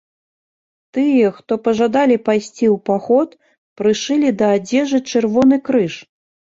Тыя, хто пажадалі пайсці ў паход, прышылі да адзежы чырвоны крыж.